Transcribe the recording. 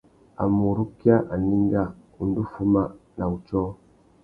A mà urukia anénga, u ndú fuma na wutiō.